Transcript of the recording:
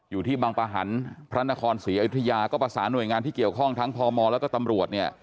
อยู่ที่บังปะหันพระนครศรีอยุธยาก็ประสานหน่วยงานที่เกี่ยวข้องทั้งพมแล้วก็ตำรวจเนี่ย